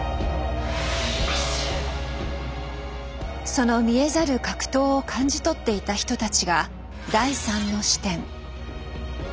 その見えざる格闘を感じ取っていた人たちが第３の視点。